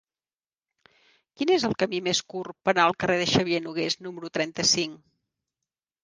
Quin és el camí més curt per anar al carrer de Xavier Nogués número trenta-cinc?